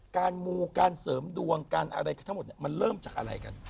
การมูการเสริมดวงการอะไรทั้งหมดเนี่ยมันเริ่มจากอะไรกัน